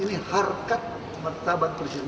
ini harkat martabat presiden